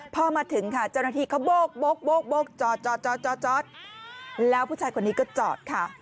พอมาถึงค่ะเจ้าหน้าที่เขาโบกจอดจอดแล้วผู้ชายคนนี้ก็จอดค่ะ